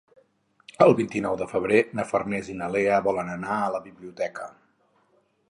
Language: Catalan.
El vint-i-nou de febrer na Farners i na Lea volen anar a la biblioteca.